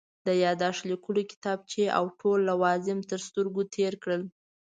د یادښت لیکلو کتابچې او ټول لوازم تر سترګو تېر کړل.